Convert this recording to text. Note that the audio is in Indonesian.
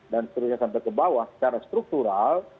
dan seterusnya sampai ke bawah secara struktural